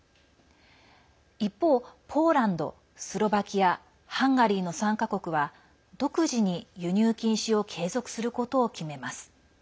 一方、ポーランド、スロバキアハンガリーの３か国は独自に輸入禁止を継続することを決めます。